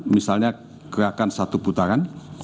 misalnya gerakan satu putaran